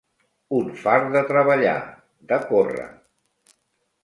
Un fart de treballar, de córrer.